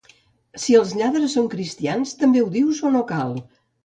Si els lladres són cristians també ho dius o no cal?